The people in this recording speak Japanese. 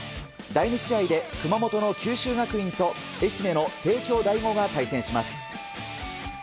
第２試合で熊本の九州学院と愛媛の帝京第五が対戦します。